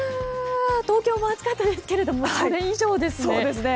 東京も暑かったですけれどそれ以上ですね。